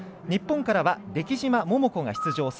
日本からは出来島桃子が出場。